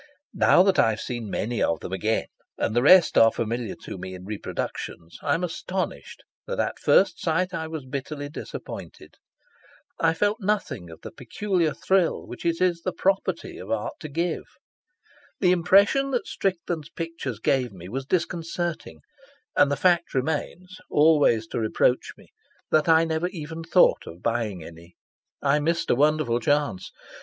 Now that I have seen many of them again and the rest are familiar to me in reproductions, I am astonished that at first sight I was bitterly disappointed. I felt nothing of the peculiar thrill which it is the property of art to give. The impression that Strickland's pictures gave me was disconcerting; and the fact remains, always to reproach me, that I never even thought of buying any. I missed a wonderful chance.